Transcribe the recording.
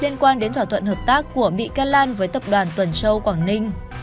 liên quan đến thỏa thuận hợp tác của bị can lan với tập đoàn tuần châu quảng ninh